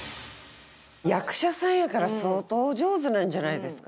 役者さんやから相当お上手なんじゃないですか？